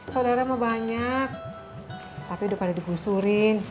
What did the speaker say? saudara mah banyak tapi udah pada dibusurin